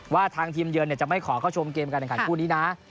ว่าทางทีมเยือนจะไม่ขอเข้าชมเกมการแข่งขันคู่นี้นะ